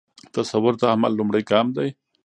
تصور د عمل لومړی ګام دی.